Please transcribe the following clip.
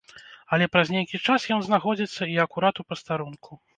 Але праз нейкі час ён знаходзіцца, і акурат у пастарунку.